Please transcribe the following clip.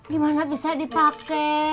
gimana bisa dipake